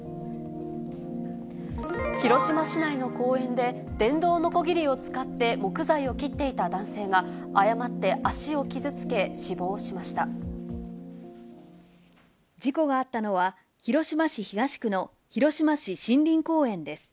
広島市内の公園で、電動のこぎりを使って木材を切っていた男性が、事故があったのは、広島市東区の広島市森林公園です。